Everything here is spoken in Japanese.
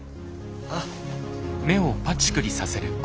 あっ。